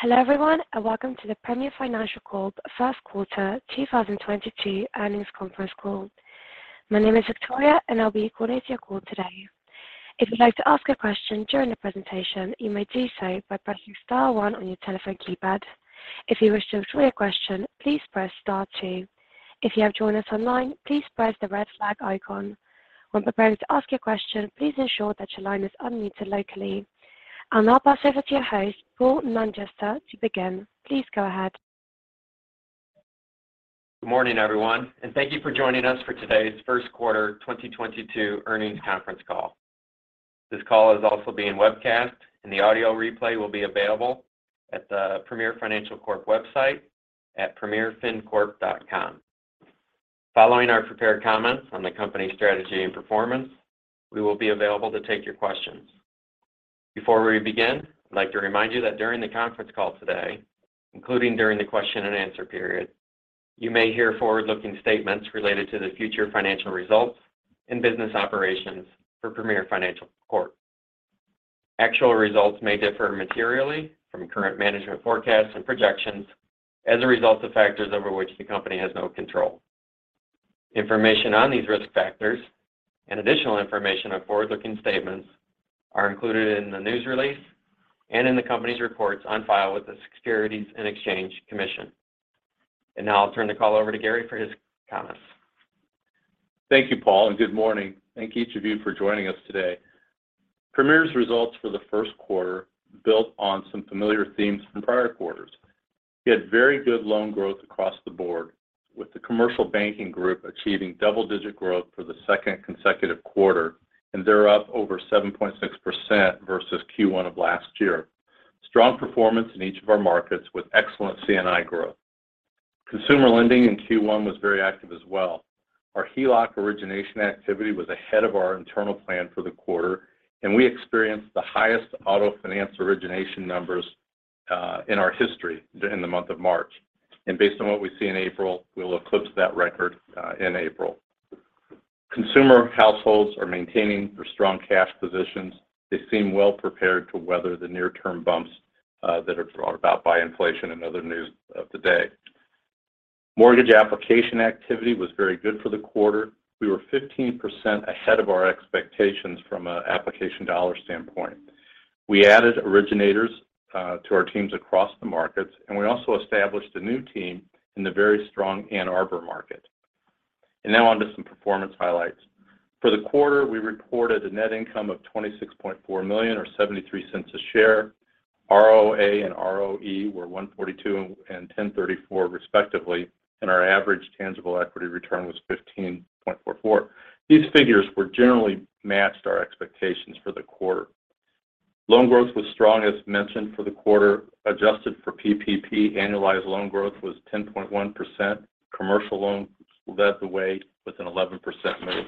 Hello everyone, and welcome to the Premier Financial Corp First Quarter 2022 Earnings Conference Call. My name is Victoria, and I'll be coordinating your call today. If you'd like to ask a question during the presentation, you may do so by pressing star one on your telephone keypad. If you wish to withdraw your question, please press star two. If you have joined us online, please press the red flag icon. When preparing to ask your question, please ensure that your line is unmuted locally. I'll now pass over to your host, Paul Nungester, to begin. Please go ahead. Good morning, everyone, and thank you for joining us for today's first quarter 2022 earnings conference call. This call is also being webcast, and the audio replay will be available at the Premier Financial Corp website at premierfincorp.com. Following our prepared comments on the company's strategy and performance, we will be available to take your questions. Before we begin, I'd like to remind you that during the conference call today, including during the question and answer period, you may hear forward-looking statements related to the future financial results and business operations for Premier Financial Corp. Actual results may differ materially from current management forecasts and projections as a result of factors over which the company has no control. Information on these risk factors and additional information on forward-looking statements are included in the news release and in the company's reports on file with the Securities and Exchange Commission. Now I'll turn the call over to Gary for his comments. Thank you, Paul, and good morning. Thank each of you for joining us today. Premier's results for the first quarter built on some familiar themes from prior quarters. We had very good loan growth across the board, with the commercial banking group achieving double-digit growth for the second consecutive quarter, and they're up over 7.6% versus Q1 of last year. Strong performance in each of our markets with excellent C&I growth. Consumer lending in Q1 was very active as well. Our HELOC origination activity was ahead of our internal plan for the quarter, and we experienced the highest auto finance origination numbers in our history in the month of March. Based on what we see in April, we'll eclipse that record in April. Consumer households are maintaining their strong cash positions. They seem well prepared to weather the near-term bumps that are brought about by inflation and other news of the day. Mortgage application activity was very good for the quarter. We were 15% ahead of our expectations from an application dollar standpoint. We added originators to our teams across the markets, and we also established a new team in the very strong Ann Arbor market. Now on to some performance highlights. For the quarter, we reported a net income of $26.4 million or $0.73 a share. ROA and ROE were 1.42% and 10.34% respectively, and our average tangible equity return was 15.44%. These figures generally matched our expectations for the quarter. Loan growth was strong, as mentioned, for the quarter. Adjusted for PPP, annualized loan growth was 10.1%. Commercial loans led the way with an 11% move.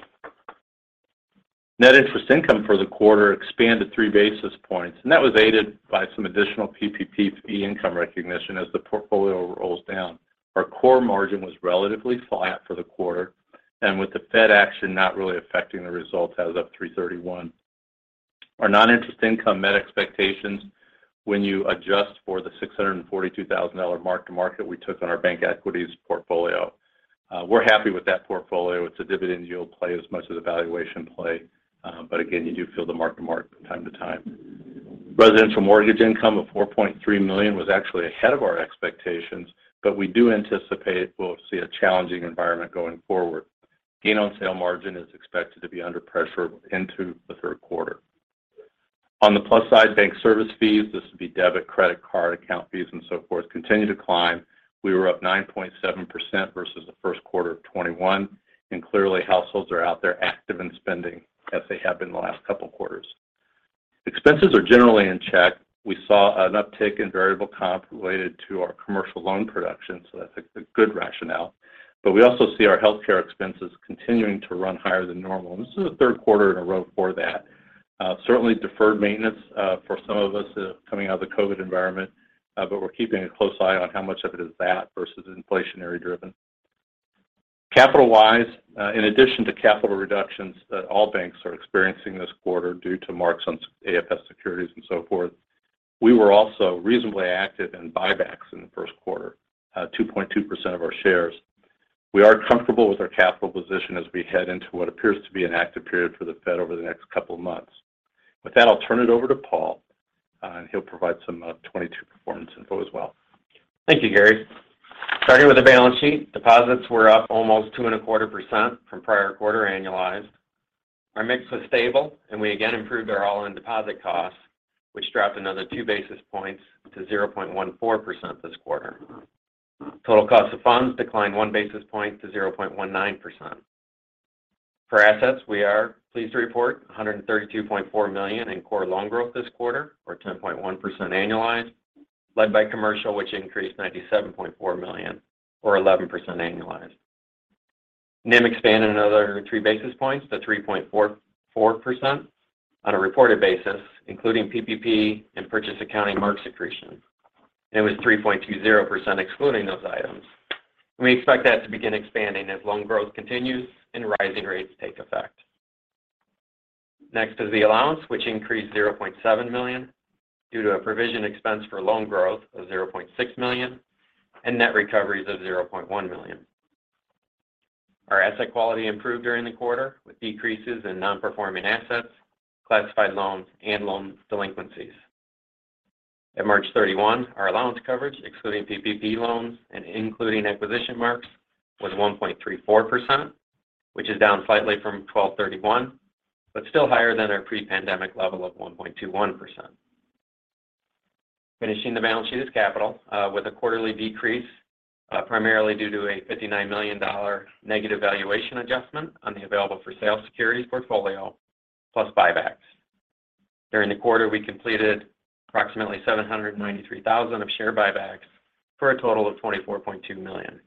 Net interest income for the quarter expanded 3 basis points, and that was aided by some additional PPP fee income recognition as the portfolio rolls down. Our core margin was relatively flat for the quarter and with the Fed action not really affecting the results as of 3/31. Our non-interest income met expectations when you adjust for the $642,000 mark-to-market we took on our bank equities portfolio. We're happy with that portfolio. It's a dividend yield play as much as a valuation play, but again, you do feel the mark-to-market from time to time. Residential mortgage income of $4.3 million was actually ahead of our expectations, but we do anticipate we'll see a challenging environment going forward. Gain-on-sale margin is expected to be under pressure into the third quarter. On the plus side, bank service fees, this would be debit, credit card, account fees and so forth, continue to climb. We were up 9.7% versus the first quarter of 2021, and clearly households are out there active in spending as they have been the last couple quarters. Expenses are generally in check. We saw an uptick in variable comp related to our commercial loan production, so that's a good rationale. But we also see our healthcare expenses continuing to run higher than normal, and this is the third quarter in a row for that. Certainly deferred maintenance for some of us coming out of the COVID environment, but we're keeping a close eye on how much of it is that versus inflationary driven. Capital-wise, in addition to capital reductions that all banks are experiencing this quarter due to marks on AFS securities and so forth, we were also reasonably active in buybacks in the first quarter, 2.2% of our shares. We are comfortable with our capital position as we head into what appears to be an active period for the Fed over the next couple of months. With that, I'll turn it over to Paul, and he'll provide some 2022 performance info as well. Thank you, Gary. Starting with the balance sheet, deposits were up almost 2.25% from prior quarter annualized. Our mix was stable, and we again improved our all-in deposit costs, which dropped another 2 basis points to 0.14% this quarter. Total cost of funds declined 1 basis point to 0.19%. For assets, we are pleased to report $132.4 million in core loan growth this quarter or 10.1% annualized, led by commercial, which increased $97.4 million or 11% annualized. NIM expanded another 3 basis points to 3.44% on a reported basis, including PPP and purchase accounting mark accretion. It was 3.20% excluding those items. We expect that to begin expanding as loan growth continues and rising rates take effect. Next is the allowance, which increased $0.7 million due to a provision expense for loan growth of $0.6 million and net recoveries of $0.1 million. Our asset quality improved during the quarter, with decreases in non-performing assets, classified loans, and loan delinquencies. At March 31, our allowance coverage, excluding PPP loans and including acquisition marks, was 1.34%, which is down slightly from December 31, but still higher than our pre-pandemic level of 1.21%. Finishing the balance sheet is capital, with a quarterly decrease, primarily due to a $59 million negative valuation adjustment on the available-for-sale securities portfolio, plus buybacks. During the quarter, we completed approximately 793,000 share buybacks for a total of $24.2 million.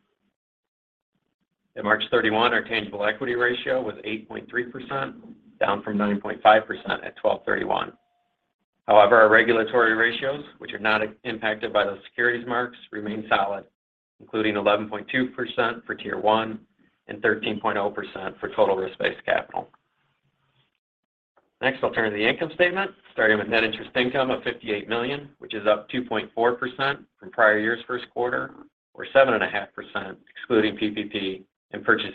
At March 31, our tangible equity ratio was 8.3%, down from 9.5% at December 31. However, our regulatory ratios, which are not impacted by those securities marks, remain solid, including 11.2% for Tier 1 and 13.0% for total risk-based capital. Next, I'll turn to the income statement, starting with net interest income of $58 million, which is up 2.4% from prior year's first quarter or 7.5% excluding PPP and purchase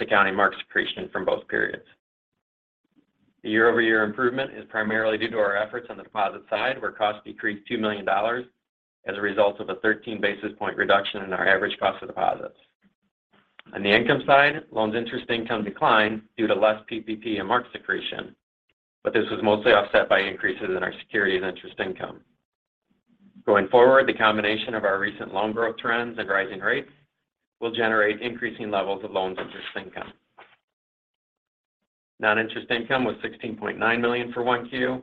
accounting mark accretion from both periods. The year-over-year improvement is primarily due to our efforts on the deposit side, where costs decreased $2 million as a result of a 13 basis point reduction in our average cost of deposits. On the income side, loans interest income declined due to less PPP and mark accretion, but this was mostly offset by increases in our securities interest income. Going forward, the combination of our recent loan growth trends and rising rates will generate increasing levels of loans interest income. Non-interest income was $16.9 million for 1Q,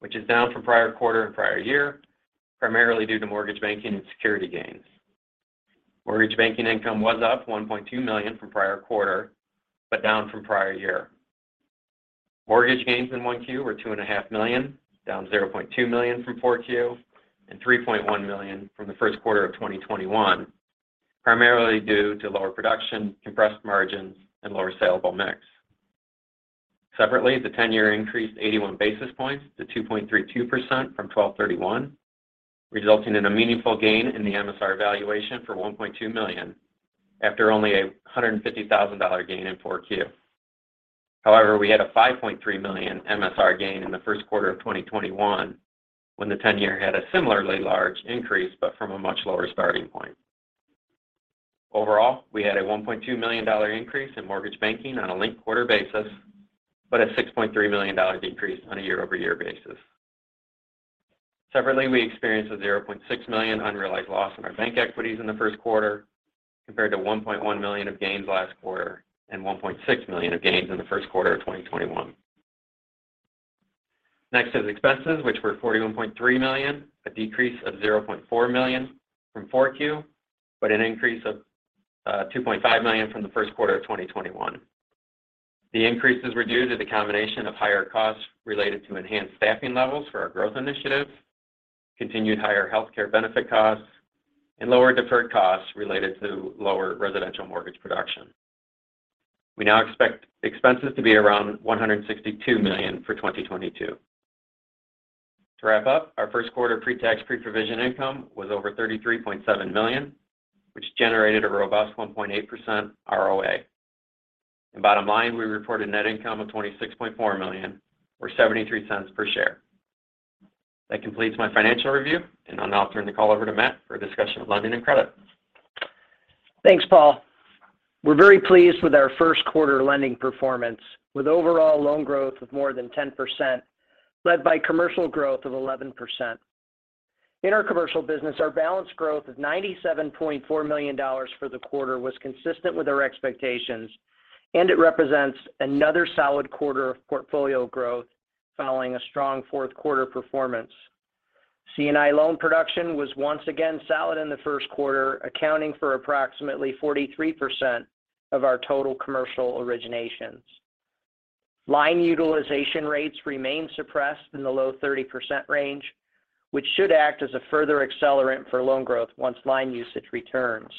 which is down from prior quarter and prior year, primarily due to mortgage banking and securities gains. Mortgage banking income was up $1.2 million from prior quarter, but down from prior year. Mortgage gains in 1Q were $2.5 million, down $0.2 million from 4Q and $3.1 million from the first quarter of 2021, primarily due to lower production, compressed margins, and lower saleable mix. Separately, the 10-year increased 81 basis points to 2.32% from 12/31, resulting in a meaningful gain in the MSR valuation of $1.2 million after only a $150,000 gain in 4Q. However, we had a $5.3 million MSR gain in the first quarter of 2021 when the 10-year had a similarly large increase but from a much lower starting point. Overall, we had a $1.2 million increase in mortgage banking on a linked-quarter basis, but a $6.3 million decrease on a year-over-year basis. Separately, we experienced a $0.6 million unrealized loss in our bank equities in the first quarter compared to $1.1 million of gains last quarter and $1.6 million of gains in the first quarter of 2021. Next is expenses, which were $41.3 million, a decrease of $0.4 million from 4Q, but an increase of $2.5 million from the first quarter of 2021. The increases were due to the combination of higher costs related to enhanced staffing levels for our growth initiatives, continued higher healthcare benefit costs, and lower deferred costs related to lower residential mortgage production. We now expect expenses to be around $162 million for 2022. To wrap up, our first quarter pre-tax, pre-provision income was over $33.7 million, which generated a robust 1.8% ROA. Bottom line, we reported net income of $26.4 million or $0.73 per share. That completes my financial review, and I'll now turn the call over to Matt for a discussion of lending and credit. Thanks, Paul. We're very pleased with our first quarter lending performance, with overall loan growth of more than 10%, led by commercial growth of 11%. In our commercial business, our balance growth of $97.4 million for the quarter was consistent with our expectations, and it represents another solid quarter of portfolio growth following a strong fourth quarter performance. C&I loan production was once again solid in the first quarter, accounting for approximately 43% of our total commercial originations. Line utilization rates remain suppressed in the low 30% range, which should act as a further accelerant for loan growth once line usage returns.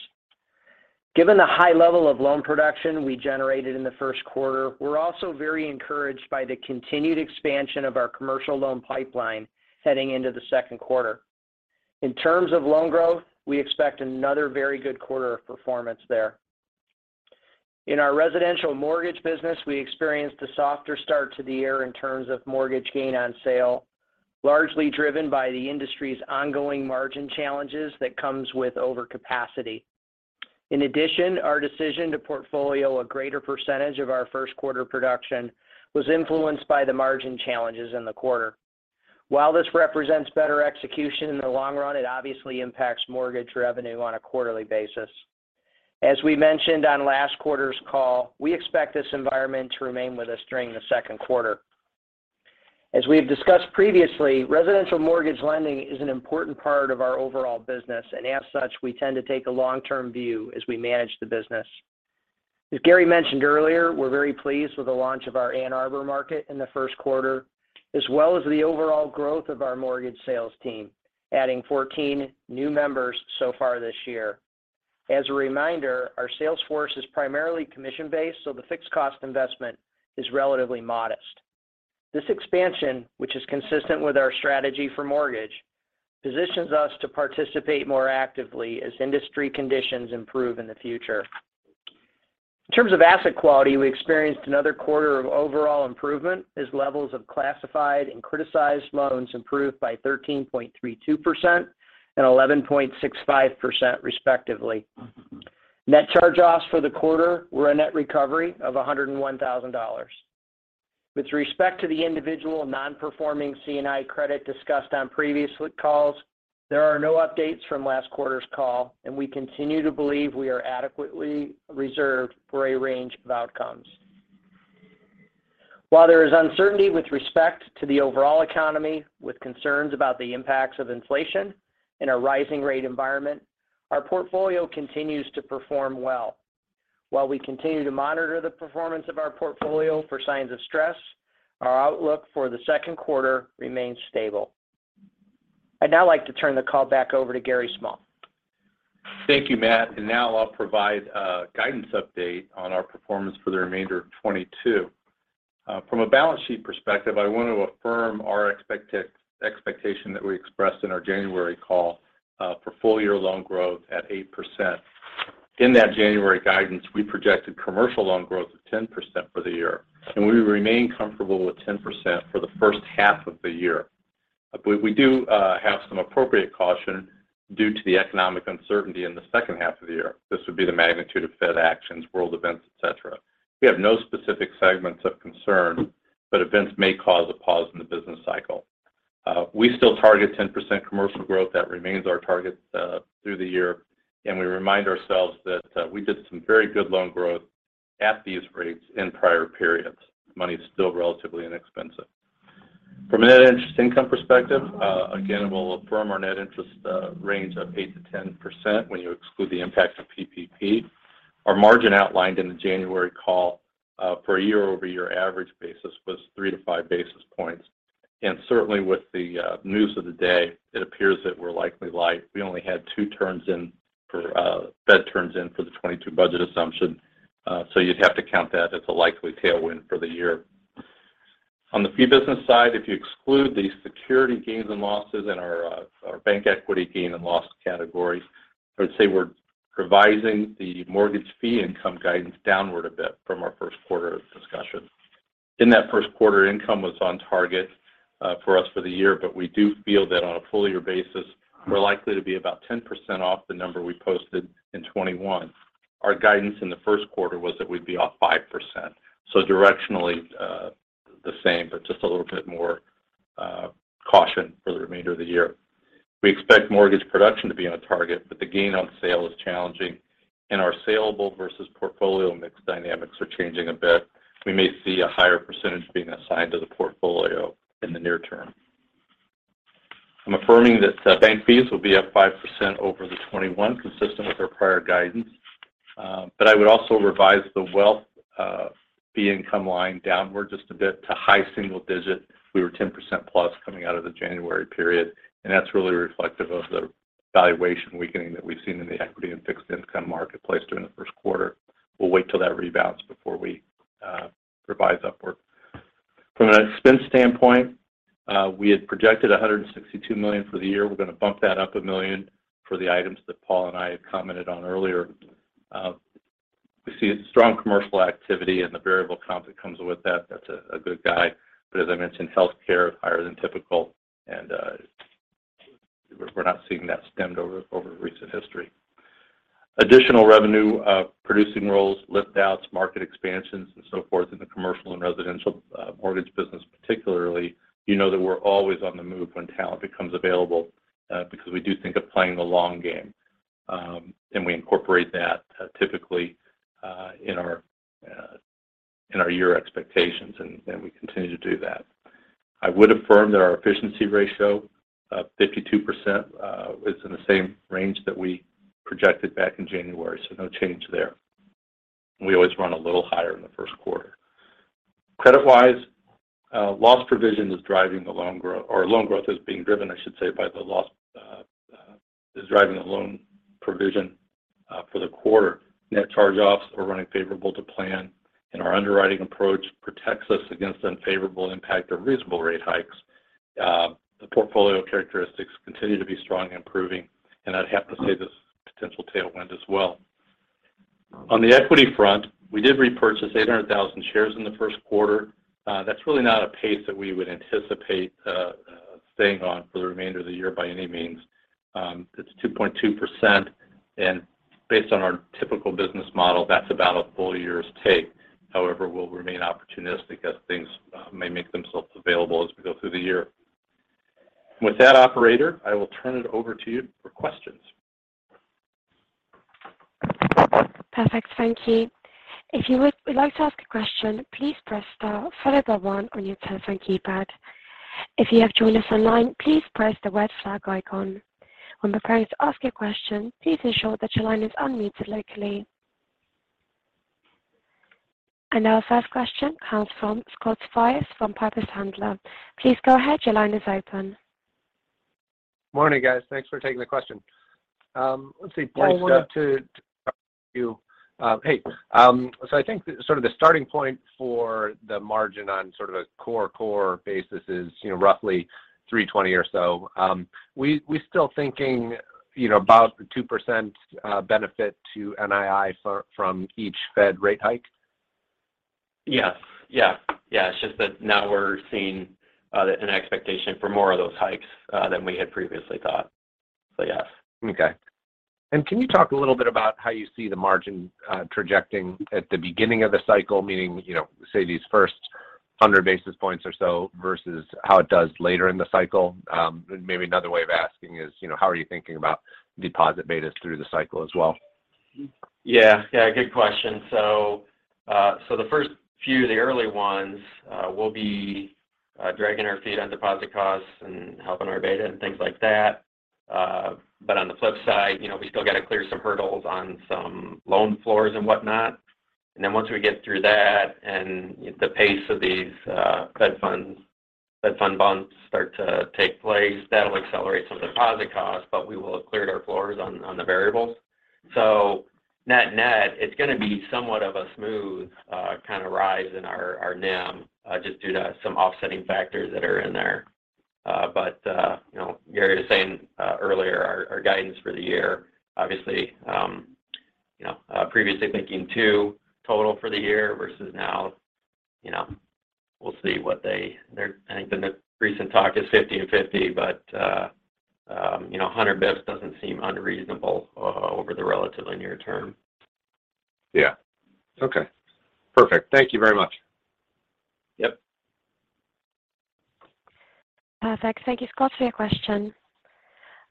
Given the high level of loan production we generated in the first quarter, we're also very encouraged by the continued expansion of our commercial loan pipeline heading into the second quarter. In terms of loan growth, we expect another very good quarter of performance there. In our residential mortgage business, we experienced a softer start to the year in terms of mortgage gain-on-sale, largely driven by the industry's ongoing margin challenges that comes with overcapacity. In addition, our decision to portfolio a greater percentage of our first quarter production was influenced by the margin challenges in the quarter. While this represents better execution in the long run, it obviously impacts mortgage revenue on a quarterly basis. As we mentioned on last quarter's call, we expect this environment to remain with us during the second quarter. As we have discussed previously, residential mortgage lending is an important part of our overall business, and as such, we tend to take a long-term view as we manage the business. As Gary mentioned earlier, we're very pleased with the launch of our Ann Arbor market in the first quarter, as well as the overall growth of our mortgage sales team, adding 14 new members so far this year. As a reminder, our sales force is primarily commission-based, so the fixed cost investment is relatively modest. This expansion, which is consistent with our strategy for mortgage, positions us to participate more actively as industry conditions improve in the future. In terms of asset quality, we experienced another quarter of overall improvement as levels of classified and criticized loans improved by 13.32% and 11.65% respectively. Net charge-offs for the quarter were a net recovery of $101,000. With respect to the individual non-performing C&I credit discussed on previous calls, there are no updates from last quarter's call, and we continue to believe we are adequately reserved for a range of outcomes. While there is uncertainty with respect to the overall economy, with concerns about the impacts of inflation in a rising rate environment, our portfolio continues to perform well. While we continue to monitor the performance of our portfolio for signs of stress, our outlook for the second quarter remains stable. I'd now like to turn the call back over to Gary Small. Thank you, Matt. Now I'll provide a guidance update on our performance for the remainder of 2022. From a balance sheet perspective, I want to affirm our expectation that we expressed in our January call, for full-year loan growth at 8%. In that January guidance, we projected commercial loan growth of 10% for the year, and we remain comfortable with 10% for the first half of the year. We do have some appropriate caution due to the economic uncertainty in the second half of the year. This would be the magnitude of Fed actions, world events, et cetera. We have no specific segments of concern, but events may cause a pause in the business cycle. We still target 10% commercial growth. That remains our target through the year, and we remind ourselves that we did some very good loan growth at these rates in prior periods. Money is still relatively inexpensive. From a net interest margin perspective, again, we'll affirm our net interest range of 8%-10% when you exclude the impact of PPP. Our margin outlined in the January call for a year-over-year average basis was 3-5 basis points. Certainly with the news of the day, it appears that we're likely light. We only had 2 Fed turns in for the 2022 budget assumption, so you'd have to count that as a likely tailwind for the year. On the fee business side, if you exclude the securities gains and losses in our our bank equity gain and loss categories, I'd say we're revising the mortgage fee income guidance downward a bit from our first quarter discussion. In that first quarter, income was on target for us for the year, but we do feel that on a full year basis, we're likely to be about 10% off the number we posted in 2021. Our guidance in the first quarter was that we'd be off 5%. Directionally, the same, but just a little bit more caution for the remainder of the year. We expect mortgage production to be on target, but the gain on sale is challenging, and our saleable versus portfolio mix dynamics are changing a bit. We may see a higher percentage being assigned to the portfolio in the near term. I'm affirming that bank fees will be up 5% over 2021, consistent with our prior guidance. I would also revise the wealth fee income line downward just a bit to high single digit. We were 10%+ coming out of the January period, and that's really reflective of the valuation weakening that we've seen in the equity and fixed income marketplace during the first quarter. We'll wait till that rebounds before we revise upward. From an expense standpoint, we had projected $162 million for the year. We're going to bump that up $1 million for the items that Paul and I have commented on earlier. We see a strong commercial activity and the variable comp that comes with that. That's a good guide. As I mentioned, healthcare is higher than typical and we're not seeing that trend over recent history. Additional revenue producing roles, lift outs, market expansions, and so forth in the commercial and residential mortgage business, particularly, you know that we're always on the move when talent becomes available because we do think of playing the long game. We incorporate that typically in our year expectations and we continue to do that. I would affirm that our efficiency ratio of 52% is in the same range that we projected back in January. No change there. We always run a little higher in the first quarter. Credit-wise, loan growth is being driven, I should say, by the loss provision for the quarter. Net charge-offs are running favorable to plan, and our underwriting approach protects us against unfavorable impact of reasonable rate hikes. The portfolio characteristics continue to be strong and improving, and I'd have to say this potential tailwind as well. On the equity front, we did repurchase 800,000 shares in the first quarter. That's really not a pace that we would anticipate staying on for the remainder of the year by any means. It's 2.2%, and based on our typical business model, that's about a full year's take. However, we'll remain opportunistic as things may make themselves available as we go through the year. With that, operator, I will turn it over to you for questions. Perfect. Thank you. If you would like to ask a question, please press star followed by one on your telephone keypad. If you have joined us online, please press the red flag icon. When preparing to ask your question, please ensure that your line is unmuted locally. Our first question comes from Scott Siefers from Piper Sandler. Please go ahead. Your line is open. Morning, guys. Thanks for taking the question. Let's see. Just, Paul wanted to talk to you. I think sort of the starting point for the margin on sort of a core basis is, you know, roughly 3.20% or so. We still thinking, you know, about the 2% benefit to NII from each Fed rate hike? Yes. Yeah. It's just that now we're seeing an expectation for more of those hikes than we had previously thought. Yes. Okay. Can you talk a little bit about how you see the margin trajecting at the beginning of the cycle? Meaning, you know, say these first 100 basis points or so versus how it does later in the cycle. Maybe another way of asking is, you know, how are you thinking about deposit betas through the cycle as well? Yeah. Good question. The first few, the early ones, will be dragging our feet on deposit costs and helping our beta and things like that. On the flip side, you know, we still got to clear some hurdles on some loan floors and whatnot. Then once we get through that and the pace of these Fed funds bumps start to take place, that'll accelerate some deposit costs, but we will have cleared our floors on the variables. Net-net, it's going to be somewhat of a smooth kind of rise in our NIM just due to some offsetting factors that are in there. You know, Gary was saying earlier our guidance for the year. Obviously, you know, previously thinking 2 total for the year versus now, you know, we'll see what they're. I think the recent talk is 50 and 50, but, you know, 100 basis points doesn't seem unreasonable over the relatively near term. Yeah. Okay. Perfect. Thank you very much. Yep. Perfect. Thank you, Scott, for your question.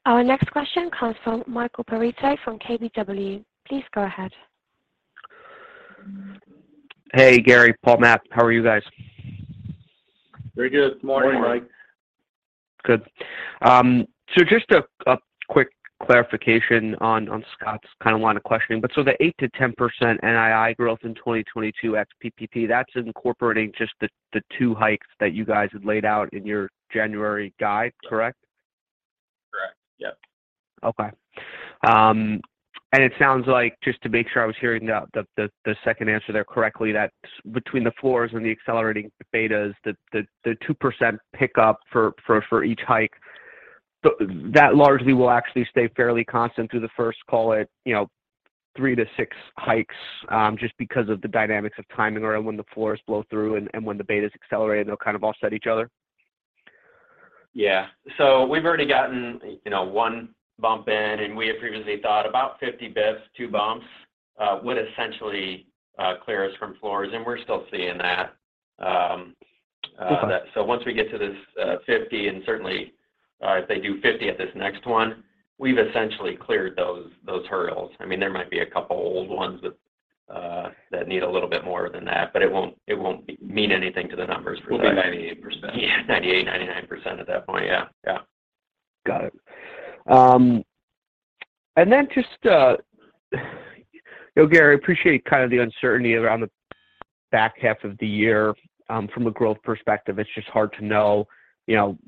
Our next question comes from Michael Perito from KBW. Please go ahead. Hey, Gary, Paul, Matt. How are you guys? Very good. Morning, Mike. Morning. Good. Just a quick clarification on Scott's kind of line of questioning, but so the 8%-10% NII growth in 2022 ex PPP, that's incorporating just the 2 hikes that you guys had laid out in your January guide. Yep. Correct? Correct. Yep. Okay. It sounds like just to make sure I was hearing the second answer there correctly, that between the floors and the accelerating betas, the 2% pickup for each hike, that largely will actually stay fairly constant through the first, call it, you know, three to six hikes, just because of the dynamics of timing around when the floors blow through and when the betas accelerated, they'll kind of offset each other. Yeah. We've already gotten, you know, one bump in, and we had previously thought about 50 basis points, two bumps would essentially clear us from floors, and we're still seeing that. Okay. Once we get to this 50 and certainly if they do 50 at this next one, we've essentially cleared those hurdles. I mean, there might be a couple old ones that need a little bit more than that, but it won't mean anything to the numbers for that. We'll be 98%. Yeah. 98%-99% at that point. Yeah. Yeah. Got it. Just, you know, Gary, I appreciate kind of the uncertainty around the back half of the year, from a growth perspective. It's just hard to know, you know,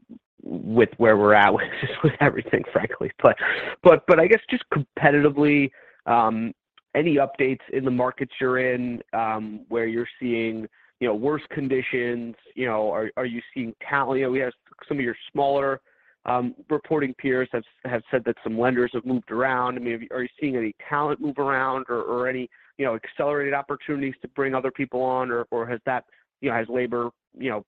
with where we're at with, just with everything, frankly. I guess just competitively, any updates in the markets you're in, where you're seeing, you know, worse conditions? You know, are you seeing talent? You know, we have some of your smaller, reporting peers have said that some lenders have moved around. I mean, are you seeing any talent move around or any, you know, accelerated opportunities to bring other people on? Has that, you know, has labor, you know,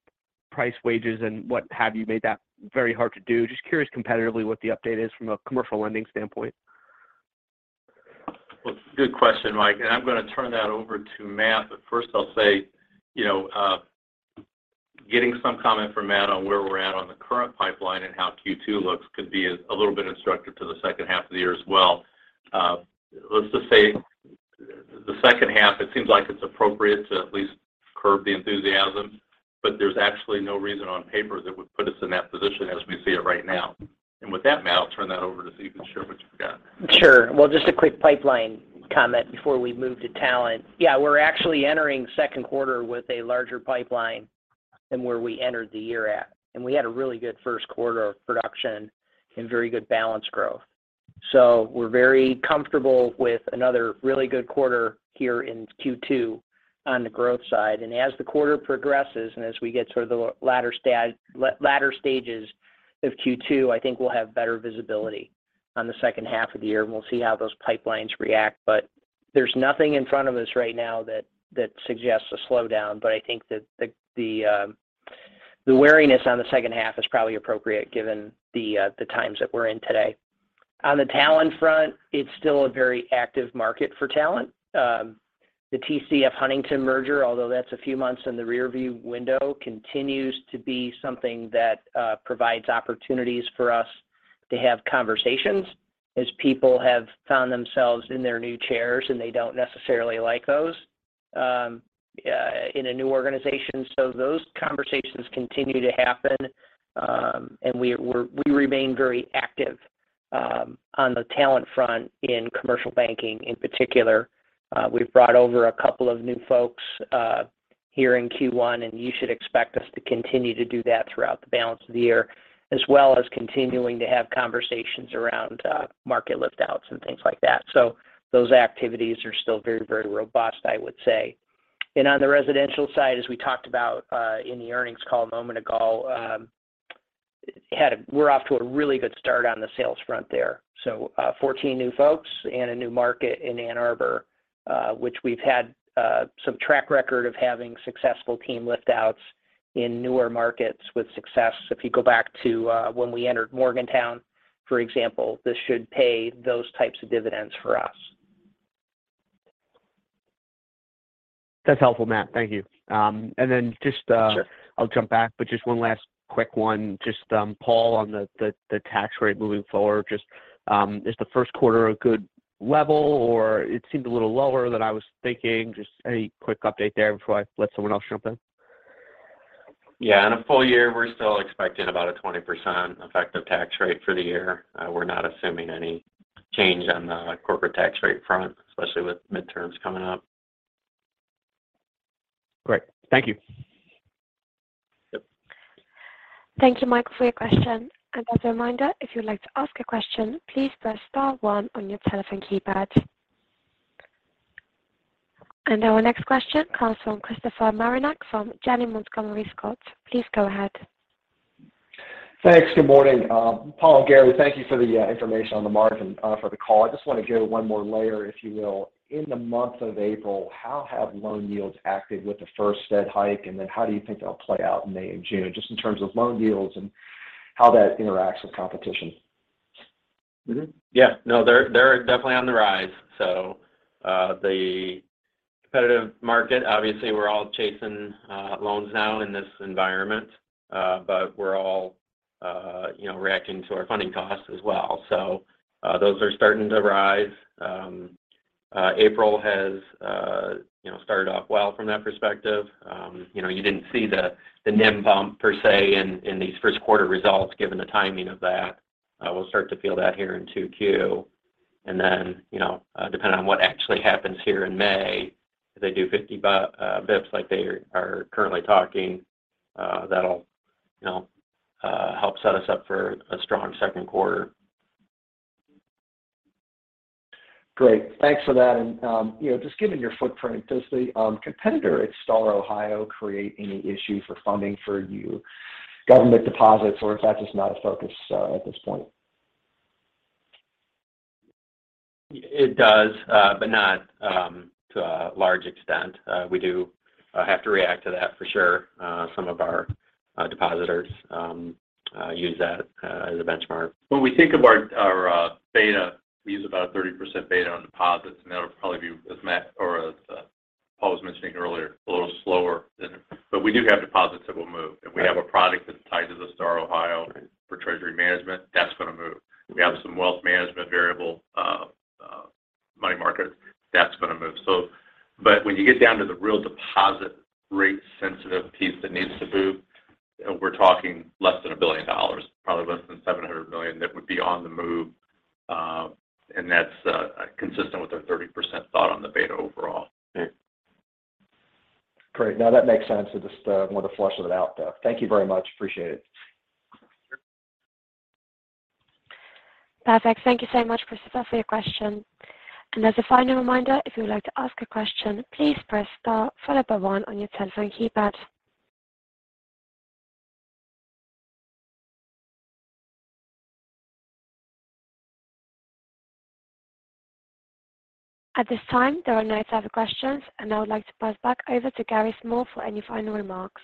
priced wages and what have you made that very hard to do? Just curious competitively what the update is from a commercial lending standpoint. Well, good question, Mike, and I'm going to turn that over to Matt. First I'll say, you know, getting some comment from Matt on where we're at on the current pipeline and how Q2 looks could be a little bit instructive to the second half of the year as well. Let's just say the second half, it seems like it's appropriate to at least curb the enthusiasm, but there's actually no reason on paper that would put us in that position as we see it right now. With that, Matt, I'll turn that over to see if you can share what you got. Sure. Well, just a quick pipeline comment before we move to talent. Yeah. We're actually entering second quarter with a larger pipeline than where we entered the year at. We had a really good first quarter of production and very good balance growth. We're very comfortable with another really good quarter here in Q2 on the growth side. As the quarter progresses, and as we get to the latter stages of Q2, I think we'll have better visibility on the second half of the year, and we'll see how those pipelines react. But there's nothing in front of us right now that suggests a slowdown. But I think that the wariness on the second half is probably appropriate given the times that we're in today. On the talent front, it's still a very active market for talent. The TCF Huntington merger, although that's a few months in the rearview mirror, continues to be something that provides opportunities for us to have conversations as people have found themselves in their new chairs, and they don't necessarily like those in a new organization. Those conversations continue to happen. We remain very active on the talent front in commercial banking, in particular. We've brought over a couple of new folks here in Q1, and you should expect us to continue to do that throughout the balance of the year, as well as continuing to have conversations around market lift outs and things like that. Those activities are still very, very robust, I would say. On the residential side, as we talked about in the earnings call a moment ago, we're off to a really good start on the sales front there. 14 new folks and a new market in Ann Arbor, which we've had some track record of having successful team lift outs in newer markets with success. If you go back to when we entered Morgantown, for example, this should pay those types of dividends for us. That's helpful, Matt. Thank you. Sure. I'll jump back, but just one last quick one. Just, Paul, on the tax rate moving forward, just, is the first quarter a good level or it seemed a little lower than I was thinking. Just a quick update there before I let someone else jump in. Yeah. On a full year, we're still expecting about a 20% effective tax rate for the year. We're not assuming any change on the corporate tax rate front, especially with midterms coming up. Great. Thank you. Yep. Thank you, Michael, for your question. As a reminder, if you'd like to ask a question, please press star one on your telephone keypad. Our next question comes from Christopher Marinac from Janney Montgomery Scott. Please go ahead. Thanks. Good morning. Paul and Gary, thank you for the information on the market and for the call. I just want to go one more layer, if you will. In the month of April, how have loan yields acted with the first Fed hike, and then how do you think that'll play out in May and June, just in terms of loan yields and how that interacts with competition? Yeah. No, they're definitely on the rise. The competitive market, obviously we're all chasing loans now in this environment. We're all you know, reacting to our funding costs as well. Those are starting to rise. April has you know, started off well from that perspective. You didn't see the NIM bump per se in these first quarter results, given the timing of that. We'll start to feel that here in 2Q. Depending on what actually happens here in May, if they do 50 bps like they are currently talking, that'll you know, help set us up for a strong second quarter. Great. Thanks for that. You know, just given your footprint, does the competitor at STAR Ohio create any issue for funding for your government deposits or if that's just not a focus at this point? It does, but not to a large extent. We do have to react to that for sure. Some of our depositors use that as a benchmark. When we think of our beta, we use about a 30% beta on deposits, and that'll probably be as Matt or Paul was mentioning earlier, a little slower than. We do have deposits that will move. Right. If we have a product that's tied to the STAR Ohio. Right For treasury management, that's going to move. We have some wealth management variable money market that's going to move. But when you get down to the real deposit rate sensitive piece that needs to move, we're talking less than $1 billion, probably less than $700 million that would be on the move. That's consistent with our 30% thought on the beta overall. Great. No, that makes sense. I just wanted to flesh it out, though. Thank you very much. Appreciate it. Perfect. Thank you so much, Christopher, for your question. As a final reminder, if you would like to ask a question, please press star followed by one on your telephone keypad. At this time, there are no further questions, and I would like to pass back over to Gary Small for any final remarks.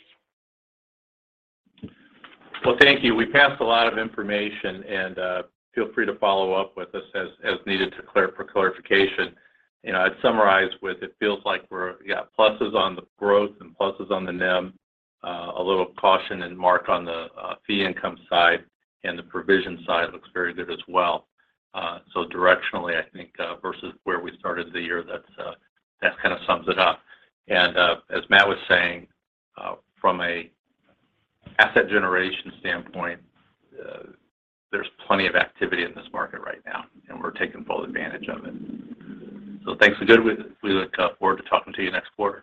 Well, thank you. We passed a lot of information and feel free to follow up with us as needed for clarification. You know, I'd summarize with it feels like we're pluses on the growth and pluses on the NIM. A little caution in mark on the fee income side and the provision side looks very good as well. Directionally, I think versus where we started the year, that kind of sums it up. As Matt was saying, from an asset generation standpoint, there's plenty of activity in this market right now, and we're taking full advantage of it. Thanks again. We look forward to talking to you next quarter.